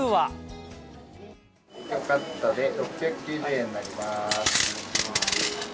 カットで６９０円になります。